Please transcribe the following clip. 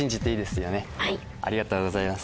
ありがとうございます。